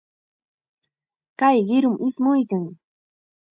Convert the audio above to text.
Kay qirum ismuykan.